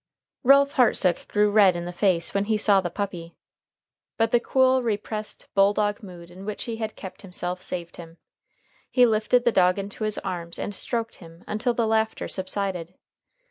Ralph Hartsook grew red in the face when he saw the puppy. But the cool, repressed, bulldog mood in which he had kept himself saved him. He lifted the dog into his arms and stroked him until the laughter subsided.